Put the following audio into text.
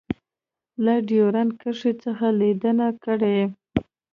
له ډیورنډ کرښې څخه لیدنه کړې